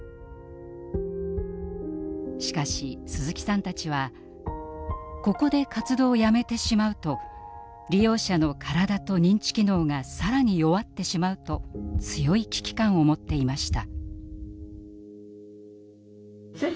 しかし鈴木さんたちはここで活動をやめてしまうと利用者の体と認知機能が更に弱ってしまうと強い危機感を持っていました。